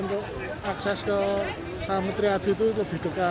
untuk akses ke selametri adi itu lebih dekat